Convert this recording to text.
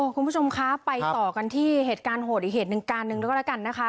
คุณผู้ชมคะไปต่อกันที่เหตุการณ์โหดอีกเหตุการณ์หนึ่งการหนึ่งแล้วก็แล้วกันนะคะ